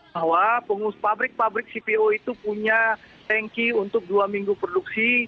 bahwa pabrik pabrik cpo itu punya tanki untuk dua minggu produksi